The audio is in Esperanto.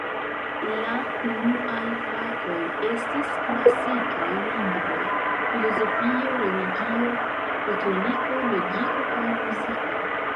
La unuaj fakoj estis klasikaj lingvoj, filozofio, religio, retoriko, logiko kaj muziko.